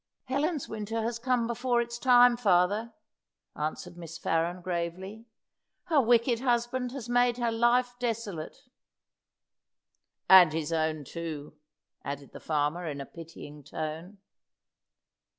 "Helen's winter has come before its time, father," answered Miss Farren, gravely. "Her wicked husband has made her life desolate." "And his own too," added the farmer, in a pitying tone.